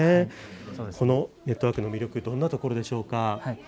このネットワークの魅力、どんなところですか。